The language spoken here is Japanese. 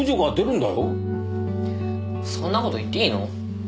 そんな事言っていいの？